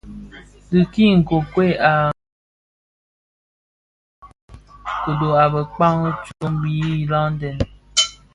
Dhi bi nkokwei a kpagianë bi kodo a bekpag tsok yi landen.